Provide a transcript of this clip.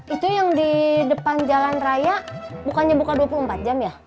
itu yang di depan jalan raya bukannya buka dua puluh empat jam ya